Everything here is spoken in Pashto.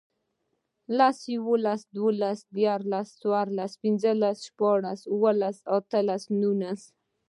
لس, یوولس, دوولس, دیرلس، څورلس, پنځلس, شپاړس, اووهلس, اتهلس, نونس